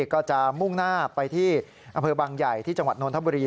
ก็จะมุ่งหน้าไปที่อำเภอบางใหญ่ที่จังหวัดนทบุรี